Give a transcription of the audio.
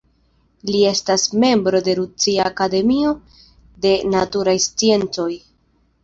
Li estas membro de Rusia Akademio de Naturaj Sciencoj.